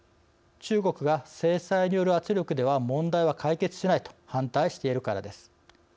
中国が制裁による圧力では問題は解決しないと反対しているからです。